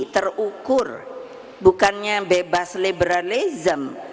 terukur bukannya bebas liberalism